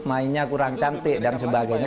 mainnya kurang cantik dan sebagainya